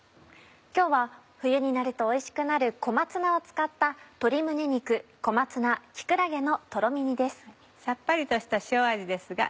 今日は冬になるとおいしくなる小松菜を使った「鶏胸肉小松菜木くらげのとろみ煮」です。